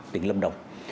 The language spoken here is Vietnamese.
tỉnh lâm đồng